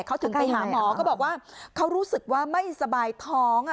เขาถึงไปหาหมอก็บอกว่าเขารู้สึกว่าไม่สบายท้อง